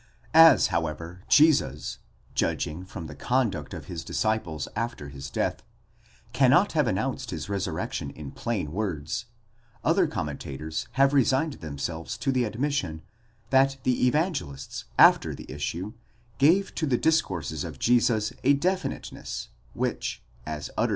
* As however Jesus, judging from the conduct of his disciples after his death, cannot have announced his resurrection in plain words: other commentators have resigned themselves to the admission, that the Evangelists, after the 3 Thus especially Herder, vom Erléser der Menschen, 5. : 33 ff.